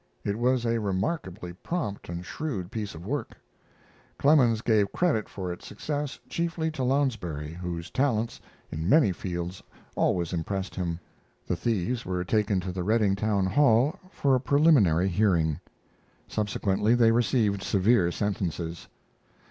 It was a remarkably prompt and shrewd piece of work. Clemens gave credit for its success chiefly to Lounsbury, whose talents in many fields always impressed him. The thieves were taken to the Redding Town Hall for a preliminary healing. Subsequently they received severe sentences.